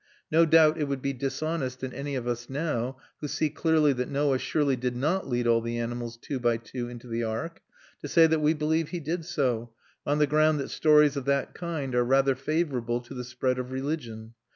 No doubt it would be dishonest in any of us now, who see clearly that Noah surely did not lead all the animals two by two into the Ark, to say that we believe he did so, on the ground that stories of that kind are rather favourable to the spread of religion.